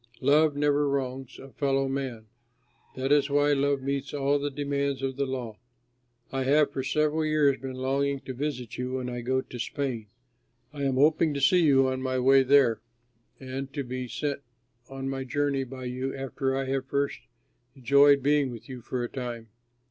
Love never wrongs a fellow man; that is why love meets all the demands of the law. I have, for several years, been longing to visit you when I go to Spain. I am hoping to see you on my way there, and to be sent on my journey by you after I have first enjoyed being with you for a time.